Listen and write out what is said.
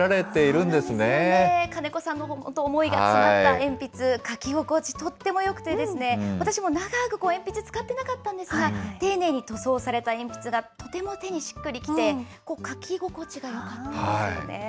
そうですよね、金子さんの思いが詰まった鉛筆、書き心地とってもよくて、私も長く鉛筆使ってなかったんですが、丁寧に塗装された鉛筆が、とても手にしっくりきて、書き心地がよかったですね。